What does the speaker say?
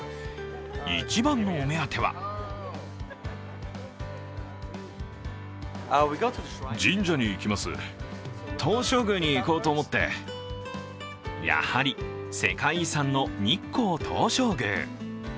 一番のお目当てはやはり世界遺産の日光東照宮。